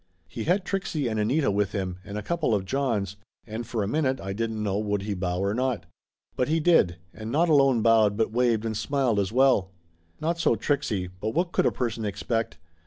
He had Trixie and Anita with him and a couple of Johns, and for a minute I didn't know would he bow or not. But he did, and not alone bowed but waved and smiled as well. Not so Trixie, but what could a person expect